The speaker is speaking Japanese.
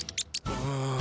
うん。